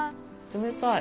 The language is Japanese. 冷たい。